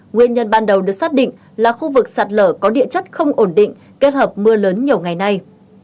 nguyên nhân ban đầu được xác định là khu vực sạt lở có địa chất không ổn định kết hợp mưa lớn nhiều ngày nay